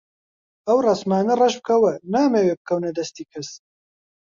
ئەو ڕەسمانە ڕەش بکەوە، نامەوێ بکەونە دەستی کەس.